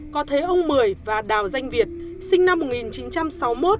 có thế ông mười và đào danh việt sinh năm một nghìn chín trăm sáu mươi một